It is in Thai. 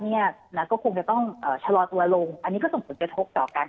นี่น่ะก็คงจะต้องชะลอดตัวลงอันนี้ก็สมควรจะทกต่อการ